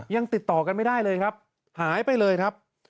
ยังติดต่อกันไม่ได้เลยครับหายไปเลยครับ